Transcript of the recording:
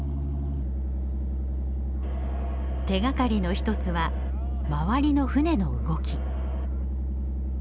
手がかりの一つは周りの船の動き。